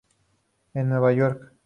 En Nueva York.